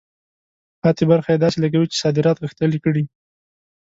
پاتې برخه یې داسې لګوي چې صادرات غښتلي کړي.